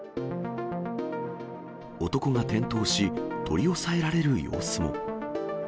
男が転倒し、取り押さえられる様子も。